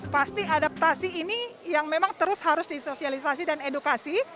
pasti adaptasi ini yang memang terus harus disosialisasi dan edukasi